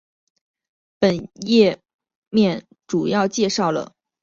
本页面主要介绍了来自于其他变形金刚系列之平行世界的柯博文。